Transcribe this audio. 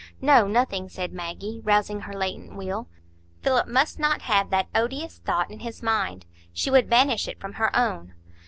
"No, nothing," said Maggie, rousing her latent will. Philip must not have that odious thought in his mind; she would banish it from her own.